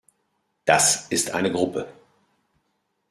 Das ist eine Gruppe.